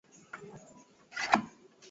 jaguar zimekuwa na wakati mgumu juu ya karne